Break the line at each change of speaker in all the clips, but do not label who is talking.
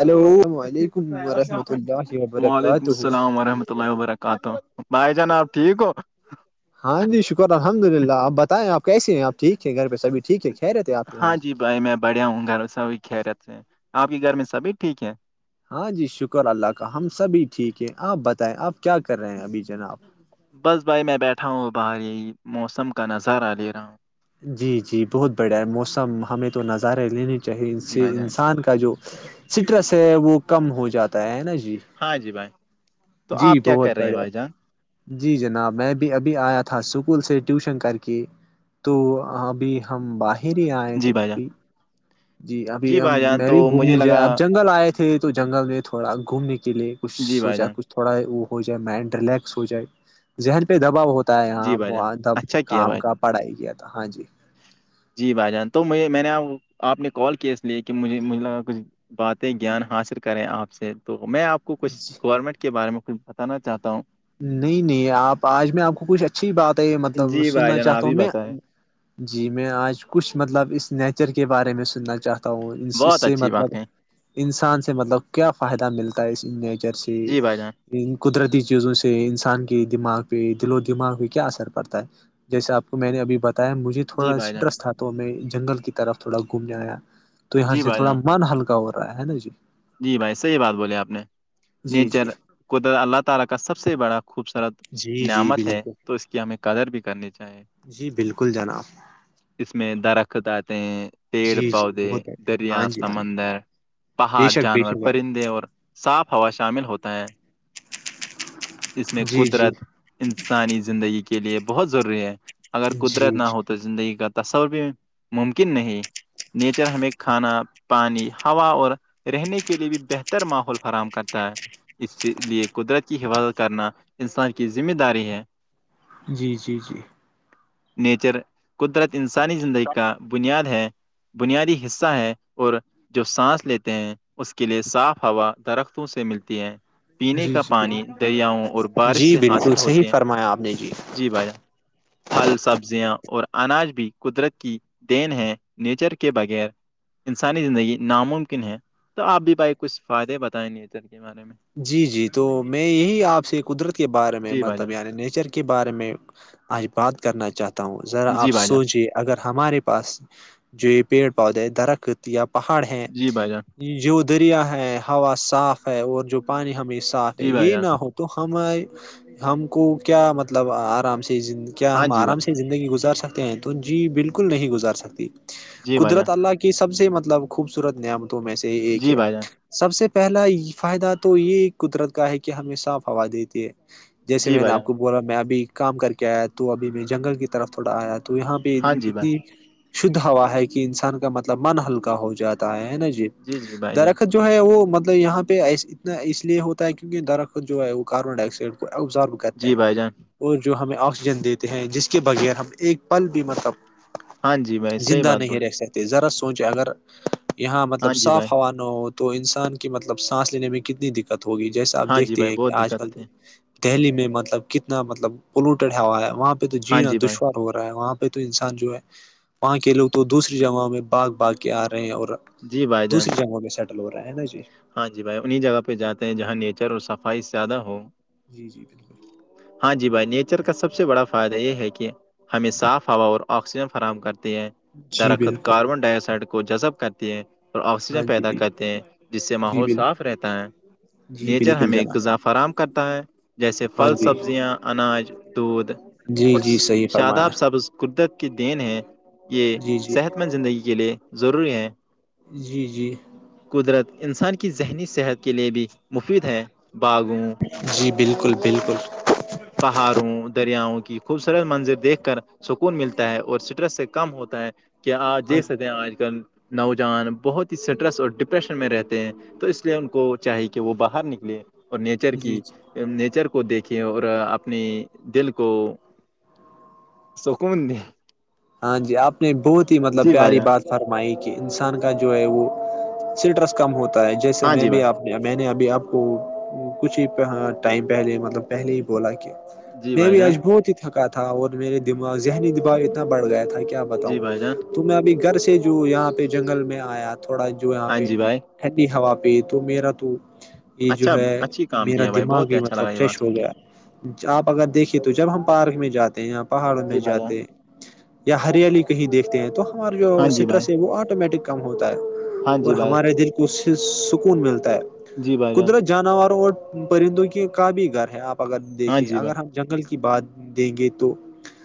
hello السلام علیکم ورحمۃ اللہ
وعلیکم
وبرکاتہ
السلام ورحمۃ اللہ وبرکاتہ کہ تو بھائی جان آپ ٹھیک ہو
ہاں جی شکر الحمد للہ آپ بتائیں آپ کیسے ہیں آ ٹھیک گھر پہ سبھی ٹھیک ہے کہہ رہے تھے آپ یہاں
ہاں جی بھائی میں بڑھیا ہوں گھر سبھی خیرت سے آپ کے گھر میں سبھی ٹھیک ہے
ہاں جی شکر اللہ کا ہم سبھی ٹھیک ہے آپ بتائیں آپ کیا کر رہے ہیں ابھی جناب
بس بھائی میں بیٹھا ہوں وہ باہر یہی موسم کا نظارہ لے رہا ہوں
جی جی بہت بڑھیا ہے موسم ہمیں تو نظارہ ہے لنے چاہے ان
جی
سے
بھائی جان
انسان کا جو سٹریس ہے وہ کم ہو جاتا ہے نا جی
ہاں جی بھائی تو
جی
آپ کیا
بہت
کر رہے ہیں
بڑھیا
بھائی جان
جی جناب میں بھی ابھی آیا تھا اسکول سے ٹیوشن کر کے تو ابھی ہم باہر آئے
جی
تو
بھائی
اب
جان
جی ابھی ہم
بھائی جان
میں
تو
بھی
مجھے
گھومنے جائے
لگا
اب جنگل آئے تھ تھے تو جنگل میں تھوڑا گھومنے کے لیے کچھ
جی بھائی
سوچا
جان
کچھ تھوڑا وہ ہو جائے مائنڈ ریلیکس ہو جائے ذہن پہ دباؤ ہوتا یہاں
جی بھائی
ب
جان
دب
اچھا کیا
کام
بھائی
کا پڑھائی کیا تھا ہاں جی
جی بھائی جان تو مجھے میں نے آپ نے کال کیا اس لیے کہ مجھے مجھے لگا کچھ باتیں گیان حاصل کریں آپ سے تو میں آپ کو کچھ
جی
گورنمنٹ کے بارے میں کچھ بتانا چاہتا ہوں
نہیں نہیں آپ آج میں آپ کو کچھ اچھی بات ہے مطلب
جی بھائی
سننا
جان آپ
چاہتا ہوں
ہی
میں
بتائیں
جی میں آج کچھ مطلب اس نیچر کے بارے میں سننا چاہتا ہ وں اس
بہت
سے
اچھی بات
مطلب
کہیں
انسان سے مطلب کیا فائدہ ملتا ہے اس نیچر سے
جی بھائی جان
قدرتی چیزوں سے انسان کے دماغ پہ دل و دماغ پہ کیا اثر پڑتا ہے جیسے آپ کو میں نے ابھی بتایا مجھ م
جی
تھوڑا
بھائی جان
اسٹرس تھا تو ہمیں جنگل کی طرف تھوڑا گھومنے آیا تو یہاں
جی
سے
بھائی
تھوڑا
جان
من ہلکا ہو رہا ہے نا جی
جی بھائی صحیح بات بولیں اپ نے
جی
نیچر
جی
کو اللہ تعالی کا سب سے بڑا خوبصورت
جی جی
نعمت ہے
بالکل
تو اس کی ہمیں قدر بھی کرنی چاہیے
جی بالکل جناب
اس میں درختت آتے ہیں پیڑ
جی جی
پودے
بہت بڑھیا ہاں
دریا
جی ہاں
سمندر
بے
پہاڑ
شک بے
جانور
شک بھائی
پرندے اور صاف ہوا شامل ہوتا ہے اس میں
جی جی
قدرت انسانی زندگی کے لیے بہت ضروری ہے اگر
جی
قدرت نہ
جی
ہوتا تو زندگی کا تصور بھی ممکن نہیں نیچر ہمیں کھانا پانی ہوا اور رہنے کے لیے بھی بہتر ماحول فراہم کرتا ہے اس لیے قدرت کی حفاظت کرنا انسان کی ذمہ داری ہے
جی جی جی
نیچر قدرت انسانی زندگی کا بنیاد ہے بنیادی حصہ ہے اور جو سانس لیتے ہیں اس کے لیئے صاف ہوا درختوں سے ملتی ہے پینے
جی
کا
جی
پانی دریاؤں اور بارش
جی
سے
بالکل
حاصل
صحیح
ہوتے ہیں
فرمایا آپ نے
جی بھاجان پھل سبزیاں اور اناج بھی قدرت کی دین ہے نیچر کے بغیر انسانی زندگی ناممکن ہے تو آپ بھی بھائی کچھ فائدے بتائیں نچر کے بارے میں
جی جی تو میں یہی آپ سے قدرت کے بارے میں
جی بھائی
مطلب
جان
یعنی نیچر کے کے بارے میں آج بات کرنا چاہتا ہوں ذرا آپ
جی بھائی جان
سوچے اگر ہمارے پاس جو یہ پیڑ پودے درخت یا پہاڑ ہیں
جی بھائی جان
جو دریا ہے ہوا صاف ہے اور جو پانی ہمیں صاف ہے
جی بھائی
یہ
جان
نہ ہو تو ہم ہم کو کیا مطلب آرام سے کیا
ہاں
ہم
جی
آرام
بھائی
سے گزار سکتے ہیں تو جی بالکل نہیں گزار سکتی
جی بھائی جان
قدرت اللہ کے سب سے مطلب خوبصورت نعمتوں میں سے ایک
جی
ہے
بھائی جان
سب سے پہلا یہ فائدہ تو تو یہ قدرت کا ہے کہ ہمیں صاف ہوا دیتی ہے جیسے
جی
میں نے
بھائی جان
آپ کو بولا میں ابھی کام کر کے آیا تو ابھی میں جنگل کی طرف تھوڑا آیا تو یہاں پہ
ہاں جی بھائی
اتنی شھ ہوا ہے کہ انسان کا مطلب من ہلکا ہو جاتا ہے ہے نا جی درخت جو ہے وہ مطلب یہاں پہ ای اس لیے ہوتا ہے کیونکہ درخت جو ہے وہ کاربن ڈائیکسائڈ کو ابزرو کرتے
جی
ہیں
بھائی جان
اور جو ہمیں آکسیجن دیتے ہیں جس کے بغیر ہم ایک پل بھی مطلب
ہاں جی بھائی صحیح
زندہ
بات
نہیں ہے
بولے
رہ سکتے ذرا سونچے اگر یہاں
ہاں
مطلب
جی بھائی
صاف ہوا تو انسان کی مطلب سانس لینے میں کتنی دقت ہوگی جیسا آپ
ہاں جی
دیکھتے
بھائی
ہیں کہ
بہت
آج
دقت
کل
ہوتی
تو
ہے
دہلی میں مطلب کتنا مطلب پولوٹیڈ ہوا ہے وہاں پہ تو
ہاں
جینا
جی بھائی
دشوار ہو رہا ہے وہاں پہ تو انسان جو ہے وہاں کے لوگ تو دوسری جگہوں میں باگ باگ کے آ رہے ہیں اور
جی بھائی جان
دوسری جگہوں میں سیٹل ہو رہا ہے نا جی
ہاں جی بھائی انہیں جگہ پہ جاتے ہیں جہاں نیچر اور صفائی زیادہ ہو
جی جی بالکل
ہاں جی بھائی نیچر کا سب سے بڑا فائدہ یہ ہے کہ ہمیں صاف ہوا اور آکسیجن فراہم کرتے ہیں
جی
درخت
بالکل
کاربن ڈائی آکسائڈ کو جذب کرتے ہیں اور
ہاں
آکسیجن
جی
پیدا
بالکل
کرتے ہیں جس سے
جی
ماحول
بالکل
صاف رہتا ہے
جی
نیچر
بالکل
ہمیں ایک
جناب
غذا فراہم کرتا ہے جیسے
ہاں
پھل
جی
سبزیاں اناج دودھ
جی
اور
جی صحیح فرمایا
شاداب سبز قدت دین ہے یہ
جی جی
صحت مند زندگی کے لیے ضروری ہے
جی جی
قدرت انسان کی ذہنی صحت کے لیے بھی مفید ہے باغوں
جی بالکل بالکل
پہاڑوں دریاؤں کی خوبصورت منظر دیکھ کر سکون ملتا ہے اور اسٹرس سے کم ہوتا ہے کہ آپ
ہاں
دیکھ
جی
سکتے ہیں آج کل نوجوان بہت ہی اسٹریس اور ڈپریشن میں رہتے ہیں تو اس لیے ان کو چاہیے کہ وہ باہر نکلے اور نیچر
جی
کی
جی
نیچر کو دیکھیں اور اور اپنی دل کو سک
ہاں جی آپ نے بہت ہی مطلب
جی بھائی
پیاری
جان
بات فرمائی کہ انسان کا جو ہے وہ سٹرس کم ہوتا ہے جیسے
ہاں
میں
جی
بھی
بھائی
آپ میں نے ابھی آپ کو کچھ ہی ٹائم پہلے مطلب پہلے ہی بولا کہ
جی
میں
بھائی
بھی
جان
اجبو ہی تھکا تھا اور میرے دماغ ذہنی دماغ اتنا بڑھ گیا تھا کہ کیا
جی
بتاؤں
بھائی جان
تو میں ابھی گھر سے جو یہاں پہ جنگل میں آیا تھوڑا جو یہاں
ہاں
پہ
جی بھائی
ٹھنڈی ہوا پہ تو میرا تو یہ جو
اچھا
ہے
اچھی کام
میرا
کیا بھائی
دماغ
بہت ہی
بھی
اچھا
مطلب
لگا یہ بات
فریش ہو
سن کے
گیا آپ اگر دیکھیے تو جب ہم پارک میں جاتے ہیں یا پہاڑ میں
جی بھائی جان
جاتے ہیں یا ہریالی کہیں دیکھتے ہیں تو ہمارا جو
ہاں جی بھائی
سٹرس ہے وہ آٹومیٹک ک ہوتا ہے
ہاں
اور
جی بھائی
ہمارے دل کو سکون ملتا ہے
جی بھائی جان
قدرت جانوروں اور پرندوں کے کا بھی گھر ہے آپ اگر
ہاں
دیکھییں
جی بھائی
اگر ہم جنگل کی بات دیں گے تو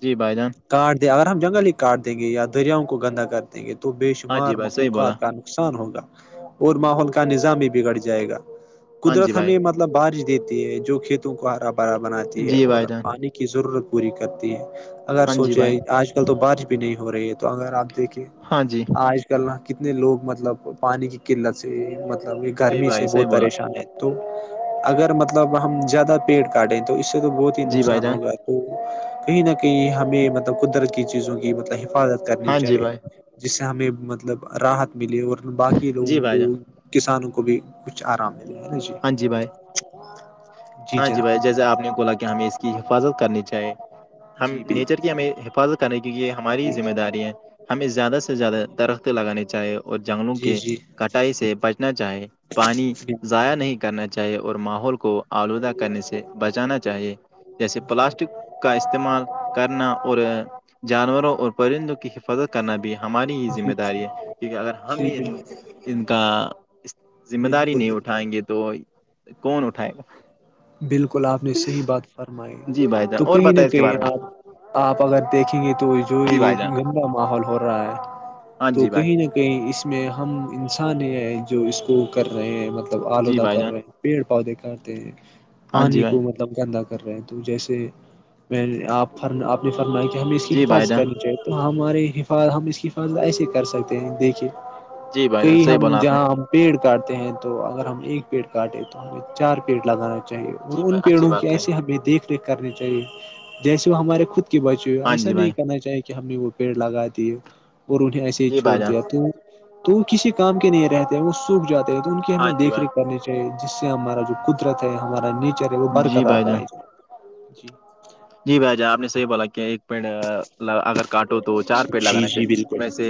جی بھائی جان
کاٹ دیں اگر ہم جنگلی ہی کاٹ دیں گے یا دریاؤ کو گندہ کر دیں گے تو بے
ہاں
شمار
جی بھائی صحیح بولا
مخلوقات کا نقان ہوگا اور ماحول کا نظام بھی بگڑ جائے گا
ہاں جی
قدرت
بھائی
ہمیں م مطلب بارش دیتی ہے جو کھیتوں کو ہرا بھرا بناتی ہے
جی
اور
بھائی جان
پانی ضرورت پوری کرتی ہے اگر
ہاں
سوچ
جی بھائی
آج کل تو بارش بھی نہیں ہو رہی ہے تو اگر آپ دیکھے
ہاں جی
آج چنا کتنے لوگ مطلب پانی کی قلت سے مطلب یہ
جی
گرمی
بھائی
سے
صحیح
بہت
بولا
پریشان ہے تو اگر مطلب ہم زیادہ پیڑ کاٹیں تو اس سے تو بہت ہی
جی بھائی
نقصان
جان
ہوگا تو کہیں نہ کہیں ہمیں مطلب قدرت کی چیزوں کی مطلب حفاظت کرنی
ہاں جی
چاہیے
بھائی
جس سے ہمیں مطلب راحت ملیے اور باقی
جی
لوگوں
بھائی
کو
جان
کسانوں کو بھی کچھ آرام ملے ہے نا جی
ہاں بھائی ہاں جی بھائی جیسے آپ نے بولا کہ ہمیں اس کی حفاظت کرنی چاہے ہم
جی
نیچر
بالکل
کی ہمیں پل کرنے کی یہ ہماری
جی
ذمہ داری ہے ہمیں زیادہ سے زیادہ
جی
درخت لگانانی چاہیے اور جنگلوں
جی
کے
جی
کٹائی سے بچنا چاہے پانی ضائع نہیں کرنا چاہے اور ماحول کو آلودہ کرنے سے بچانا چاہیے جیسے پلاسٹک کا استعمال کرنا اور جانوروں اور پرندوں کے کی حفاظت کرنا بھی ہماری یہ ذمہ
جی
داری ہے کیونکہ اگر
جی جی
ہمیں ان
بالکل
ان کا ذمہ داری نہیں
بالکل
اٹھائیں گے تو کون اٹھائے گا
بالکل آپ نے صحیح بات فرمائی
گا جی بھائی جان
تو
اور
کہیں نہ
بتائیں اس کے بارے
کہیں
میں
آپ آپ اگر دیکھیں گے تو جو
جی بھائی جان
یہند کا ماحول ہو رہا ہے
ہاں
تو
جی بھائی
کہیں نہ کہ اس میں ہم انسان ہے جو اس کو کر رہے ہیں مطلب
جی
آلودہ
بھائی
کر
جان
رہے ہیں پیڑ پودے کتے ہیں
ہاں جی
پانی
بھائی
کو م دم گندا کر رہے ہیں تو جیسے میں نے آپ فر آپ فرمیا کہ ہمیں اس کی
جی بھائی
حفاظت
جان
کرنی چاہیے ہمارے حفاظت ہم اس کی حفاظت ایسے کر سکتے ہیں دیکھیے
جی بھائی جان
کہئی
صحیح
ہم
بولا آپ نے
جہاں پیڑ کاٹتے ہیں تو اگر ہم ایک پیڑ کاٹے تو ہمیں چار پیڑ لگانا چاہیے اور
جی بھائی
ان
اچھی
پیڑوں کی
بات کہی
ایسے ہمیں دیکھ ریکھ کرنی چاہیے جیسے وہ ہمارے خود کے بچے ہوئے
ہاں
ایسا
جی
نہیں
بھائی
کرنا چاہی کہ ہم نے وہ پیڑ لگا دیے اور انہیں ایسے ہی
جی
چھوڑ
بھائی جان
دیا تو تو وہ کسی کام کے نہیں رہتے ہیں وہ سوکھ جاتے ہیں تو ان کی ہمیں
ہاں جی
دیکھ ریکھ کرنے جس سے ہمارا جو قدرت ہے ہمارا نیچر ہے وہ
بھائی جی
برقرار
بھائی
رہ
جان
ہے جی
جی بھائی جا آپ نے سےیح بولا کیا ایک پڑ اگر کاٹو تو چار پیڑ
جی
لگانا
جی
چاہیے
بالکل
میںس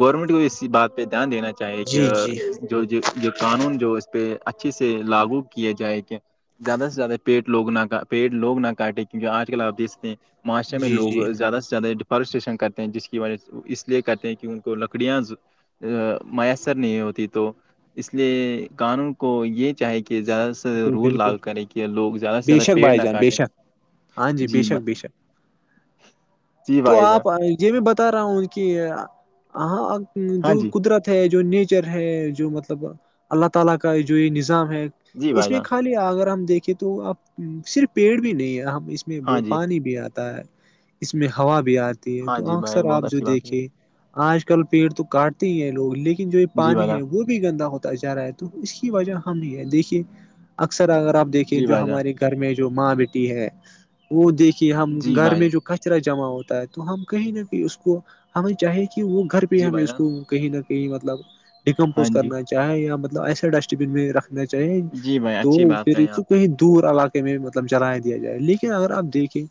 گورنمنٹ کی اسی بات پہ دھیان دینا چاہیے کہ
جی جی
جو یہ قانون جو اس پہ اچھے سے لاگو کیے جائے کہ زیادہ سے زیادہ پیٹ لگ نہ پیٹ لوگ نہ کاٹے کیونکہ آج کل آپ دیک ستے ہیں معاشرے میں
جی جی
لوگ زیادہ سے زیادہ فارسٹیشن کرتے ہیں جس کی وجہ سے اس لیے کرتے ہیں کہ ان کو لکڑیاں میسر نہیں ہوتی تو اس لیے قانون کو یہ چاہیں کہ
جی
زیادہ سے زیادہ
بالکل
رول
بالکل
لاو کریں کہ لوگ زیادہ سے
بے
زیادہ
شک
پیڑ
بھائی
نہ
جان بے
کاٹیں
شک ہاں جی بے شک بے شک
جی
تو
بھائی جان
آپ یہ بھی بتا رہا ہوں ان کی ہاں
ہاں
جو
جی
قدرت جو نیچر ہے جو مطلب اللہ تعالی کا جو ہے نظام ہے
جی
اس
بھائی
میں
جان
خالی اگر ہم دیکھیں تو اب صرف پیڑ بھی نہیں ہے ہم اس اس میں
ہاں
بہت
جی
پانی بھی آتا ہے اس میں ہوا بھی آتی ہے
ہاں
تو
جی بھائی
اکثر آپ
بہت
جو
اچھی بات ہے
دیکھے آج کل پیڑ تو کاٹتے ہی ہیں لوگ لیکن جو یہ
جی بھائی
پانی
جان
ہے وہ بھی گندا ہوتا جا رہا ہے تو اس کی وجہ ہم ہی ہے دیکھیے اکثر اگر آپ دیکھیں
جی
جو
بھائی جان
ہمارے گاؤ گھر میں جو ماں بیٹی ہے وہ دیکھیے ہم
جی
گھر
بھائی
میں
جان
جو کچ کچرا جمع ہوتا ہے تو ہم کہیں نہ کہیں اس کو ہمیں چاہیے کہ وہ گھر پہ
جی
ہمیں
بھائی
اس
جان
کو کہیں نہ کہیں مطلب
ہاں
ڈیکمپوز
جی
کرنا چاہے یا مطلب ایسے ڈسٹبین میں رکھنا چاہیے
جی بھائی
تو
اچھی بات
پھر
آپ نے
کہیں دور علاقے میں مطلب جلائے دیا جائے لیکن اگر آپ دیکھیں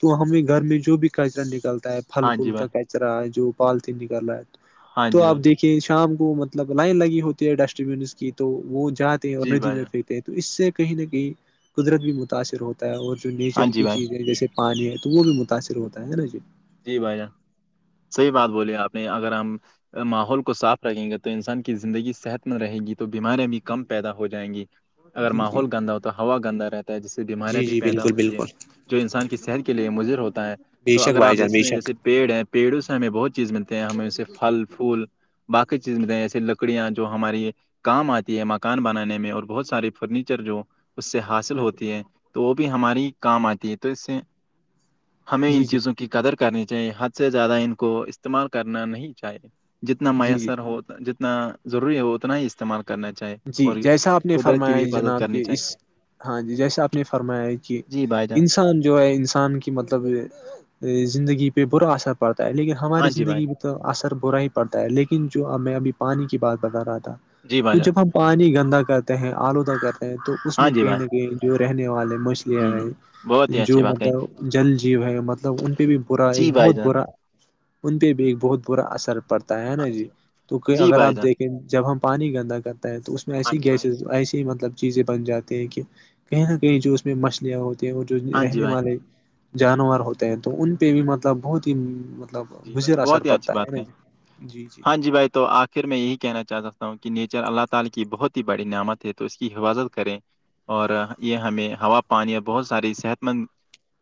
تو ہمیں گھر میں جو بھی کچرا نکلتا ہے پھل
ہاں
فول
جی
کا
بھائی
کچرا ہے جو پالت نکل رہا ہے
ہاں
تو
جی
آپ
بھائی
دیکھ کہ شام کو مطلب لائن لگی ہوتی ہے ڈسٹ بینس کی تو وہ جاتے ہیں اور
جی
ندی
بھائی
میں
جان
پھینتے تو اس سے کہیں نہ کہیں قدرت بھی متاثر ہوتا ہے اور جو نیچر
ہاں جی
کی
بھائی
چیزیں جیسے پانی ہے تو وہ بھی متاثر ہوتا ہے نا جی
جی بھائی جان صحیح
جی
بات بولی آپ نے اگر ہم ماحول کو صاف رکھیں گے تو انسان کی زندگی صحت مند رہے گی تو بیماریاں بھی کم پیدا ہو جائیں گی اگر
جی جی
ماحول گندا ہو تو ہوا گندا رہتا جس سے بیماریاں
جی
بھی
جی
پیدا
بالکل
ہوتی ہیں
بالکل
جو انسان کی صحت کے لیے مضر ہوتا ہے
بے
تو
شک
اگر آپ
بھائی جان
دیکھ
بے شک
پیڑ ہیں پیڑوں سے ہمیں بہت چیز ملتے ہیں ہمیں اس سے پھل پھول باقی چیز میں جیسے لکڑیاں جو ہماری کام آتی ہے مکان بنانے میں اور بہت سارے فرنیچر جو اس سے حاصل
ہاں جی
ہوتی ہے تو وہ بھی ہماری کام آتی ہے تو اس سے ہمیں
جی
ان
جی
چیزوں کی قدر کرنی چاہیے حد سے زیادہ ان کو استعمال کرنا نہیں چاہیے جتنا
جی جی
میسر ہو جتنا ضروری ہو اتنا ہی استعمال کرنا چاہیے
جی
اور
جیسا آپ نے
قدرت کی
فرمایا
بھی حفاظت
جناب
کرنی
کہ
چاہیے
اس ہاں جی جیسا آپ نے فرمایا ہے کہ
جی بھائی جان
انسان جو ہے انسان کے مطلب زندگی پہ برا اثر پڑتا ہے لیکن ہماری
ہاں جی بھائی
زندگی میں تو اثر برا ہی پڑتا ہے لیکن جوب میں ابھی پانی کی بات بتا رہا تھا
جی بھائی
تو
جان
جب ہم پانی گندا کرتے ہیں آلودہ کرتے ہیں تو اس
ہاں
میں
جی
کہیں
بھائی
نہ کہیں جو رہنے والے مش لیا
جی جی بہت ہی
ہے جو
اچھی بات کہیں
مطلب جل جیو ہے مطلب ان پہ بھی برا ایک
جی بھائی
بہت
جان
برا ان پہ بھی ایک بہت برا اثر پڑتا ہے
ہاں
نا جی
بھائی،
توک
جی
اگر آپ
بھائی جان
دیکھ جب ہم پانی گندا کرتا ہے تو اس میں
ہاں
ایسی
جی بھائی
گیسز ایسی مطلب چیزیں بن جاتے ہیں کہ کہیں نہ کہیں جو اس میں مچھلیاں ہوتی ہیں اور جو
ہاں جی
رہنے
بھائی
والے جانور ہوتے ہیں تو ان پہ بھی مطلب بہت ہی مطلب
جی بھائی
مضر اثر
بہت ہی
پڑتا
اچھی
ہے
بات
نا
کہیں
جی
ہاں جی بھائی تو آ پھر میں یہی کہنا چاہتا ہوں کہ نیچر اللہ تعالی کی بہت ہی بڑی نعمت ہے تو اس کی حفاظت کریں اور یہ ہمیں ہوا پانی اور بہت ساری صحت مند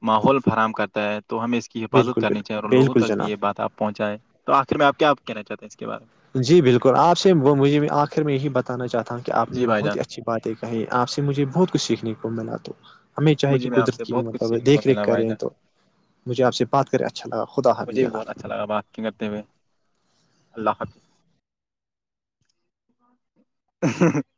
ماحول فراہم کرتا ہے تو ہمیں اس کی حفاظت
بالکل
کرنی
بالکل
چاہیے اور لوگوں
بالکل
تک بھی یہ
جناب
بات آپ پہنچا ہے تو آخر میں آپ کیا کہنا چاہتے ہیں اس کے بارے میں
جی بالکل آپ سے مجھے آخر میں یہی بتانا چاہتا ہوں کہ آپ
میں جی
نے
بھائی
بہت
جان
ہی اچھی باتیں کہیں آپ سے مجھے بہت کچھ سیکھنے کو ملا تو ہمیں چاہے کہ
مجھے میں آپ
قدرت
سے
کی
بہت کچھ
مطلب
سیکھنے کو
دیکھ ریکھ
ملا بھائی
کریں
جان
تو مجھےپ سے بات کریں اچھا لگا خدا بھی جناب
ال بات کرتے ہوئے اللہ حافظ ای [inaudible] ہ [unintelligible]